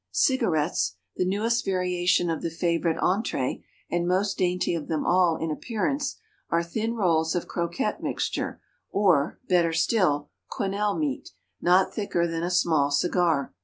Cigarettes, the newest variation of the favorite entrée, and most dainty of them all in appearance, are thin rolls of croquette mixture (or, better still, quenelle meat) not thicker than a small cigar.